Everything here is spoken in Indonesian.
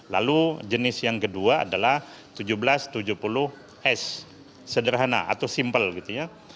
lalu jenis yang kedua adalah seribu tujuh ratus tujuh puluh s sederhana atau simple gitu ya